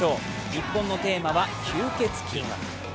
日本のテーマは、吸血鬼。